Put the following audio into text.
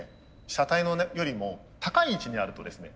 車体よりも高い位置にあるとですね